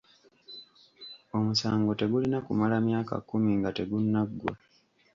Omusango tegulina kumala myaka kkumi nga tegunaggwa.